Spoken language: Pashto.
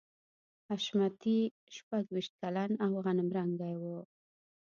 حشمتي شپږویشت کلن او غنم رنګی و